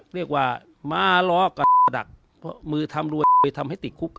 เรียกว่ามาล่อก่อดักมือทำรวยทำให้ติดคุกอ่ะ